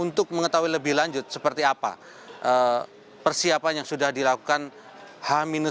untuk mengetahui lebih lanjut seperti apa persiapan yang sudah dilakukan h satu